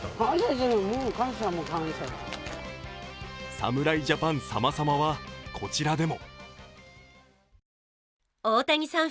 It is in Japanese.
侍ジャパン様々はこちらでも。